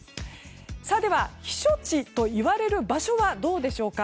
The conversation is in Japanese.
では、避暑地と呼ばれる場所はどうでしょうか。